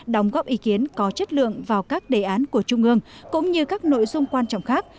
đóng góp ý kiến có chất lượng vào các đề án của trung ương cũng như các nội dung quan trọng khác